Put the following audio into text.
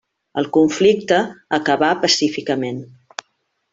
El conflicte acabà pacíficament.